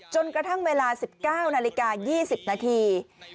จนกระทั่งเวลา๑๙นาฬิกา๒๐นาที